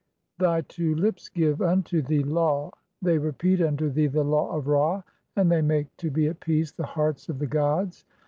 Thy "two lips give unto thee law, they repeat unto [thee] the law "of Ra, and they make to be at peace the hearts of the gods.